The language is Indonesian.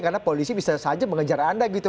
karena polisi bisa saja mengejar anda gitu